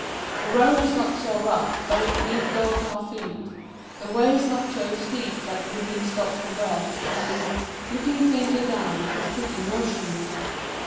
The road is not so rough that it need daunt our feet : the way is not so steep that we need stop for breath, and, looking faintly down, be stricken motion less.